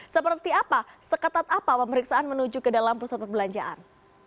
seperti apa seketat apa pemeriksaan menuju ke dalam pusat perbelanjaan